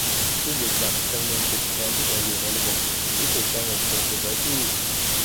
ขึ้นอยู่กับจำนวนบิตคอยน์ที่เหลืออยู่ในระบบที่ถูกกำหนดสูงสุดไว้ที่